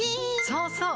そうそう！